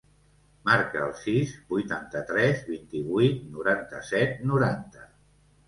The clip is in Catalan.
Marca el sis, vuitanta-tres, vint-i-vuit, noranta-set, noranta.